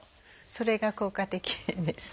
それが効果的です。